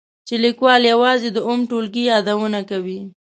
چې لیکوال یوازې د اووم ټولګي یادونه کوي.